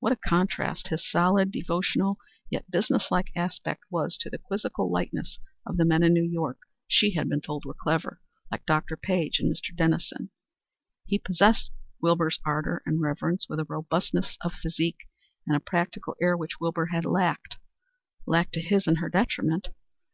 What a contrast his solid, devotional, yet business like aspect was to the quizzical lightness of the men in New York she had been told were clever, like Dr. Page and Mr. Dennison! He possessed Wilbur's ardor and reverence, with a robustness of physique and a practical air which Wilbur had lacked lacked to his and her detriment.